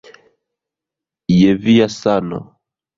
Je via sano